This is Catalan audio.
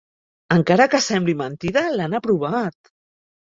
Encara que sembli mentida, l'han aprovat.